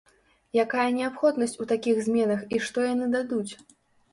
Якая неабходнасць у такіх зменах і што яны дадуць?